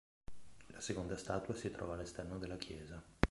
La seconda statua si trova all'esterno della chiesa.